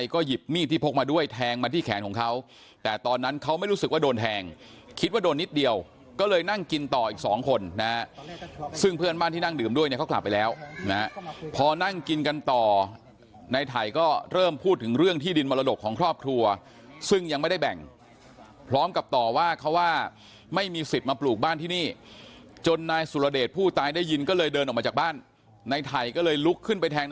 คิดว่าโดนนิดเดียวก็เลยนั่งกินต่ออีกสองคนซึ่งเพื่อนบ้านที่นั่งดื่มด้วยเขากลับไปแล้วพอนั่งกินกันต่อในไทยก็เริ่มพูดถึงเรื่องที่ดินมรดกของครอบครัวซึ่งยังไม่ได้แบ่งพร้อมกับต่อว่าเขาว่าไม่มีสิทธิ์มาปลูกบ้านที่นี่จนนายสุรเดชผู้ตายได้ยินก็เลยเดินออกมาจากบ้านในไทยก็เลยลุกขึ้นไปแทง